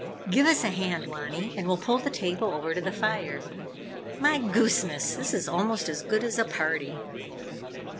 Give us a hand, Wanny, and we'll pull the table over to the fire. My gooseness, this is almost as good as a party!"